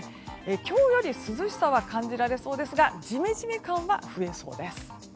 今日より涼しさは感じられそうですがジメジメ感は増えそうです。